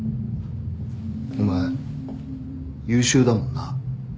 お前優秀だもんな。